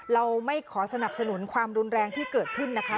เราไม่ขอสนับสนุนความรุนแรงที่เกิดขึ้นนะคะ